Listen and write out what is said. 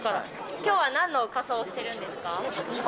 きょうはなんの仮装をしてるんですか？